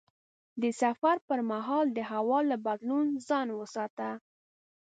د سفر پر مهال د هوا له بدلون ځان وساته.